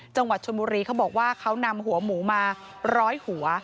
จังหวัดชนบุรีเขาบอกว่าเขานำหัวหมูมาร้อยหัว